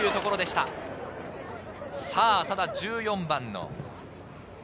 ただ１４番の。